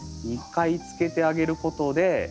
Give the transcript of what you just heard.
２回つけてあげることで。